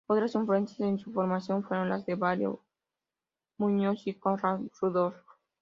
Otras influencias en su formación fueron las de Evaristo Muñoz y Konrad Rudolf.